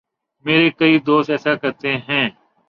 میرے کئی دوست ایسے کرتے ہیں۔